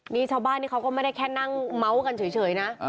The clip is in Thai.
นี่ชาวบ้านนี่เขาก็ไม่ได้แค่นั่งเมาส์กันเฉยนะ